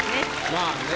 まあね。